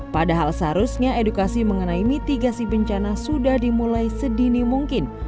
padahal seharusnya edukasi mengenai mitigasi bencana sudah dimulai sedini mungkin